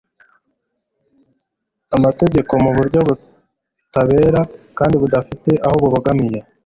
amategeko mu buryo butabera kandi budafite aho bubogamiye